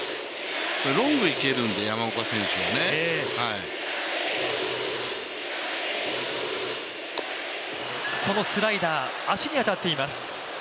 ロングいけるので、山岡選手はね。そのスライダー、足に当たっています。